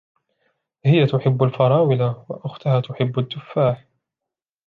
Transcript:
هي تحب الفراولة وأختها تحب التفاح.